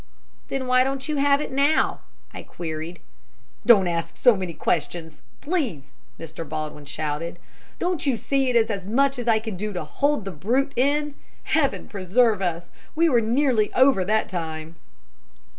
"Then why don't you have it now?" I queried. "Don't ask so many questions, please," Mr. Baldwin shouted. "Don't you see it is as much as I can do to hold the brute in? Heaven preserve us, we were nearly over that time."